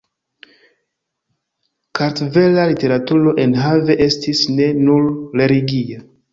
Kartvela literaturo enhave estis ne nur religia.